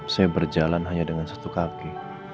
saya berjalan hanya dengan satu kaki